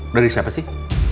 dari siapa sih